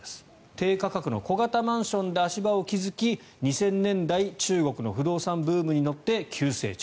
低価格の小型マンションで足場を築き２０００年代中国の不動産ブームに乗って急成長。